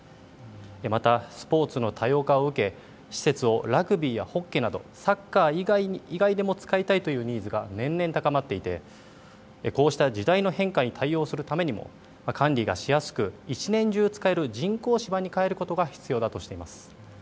またスポーツの多様化を受け施設をラグビーやホッケーなどサッカー以外にも使いたいというニーズが年々高まっていてこうした時代の変化に対応するためにも管理がしやすく１年中使える人工芝にかえることが必要だとしています。